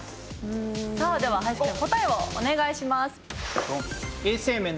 さあでは林くん答えをお願いします。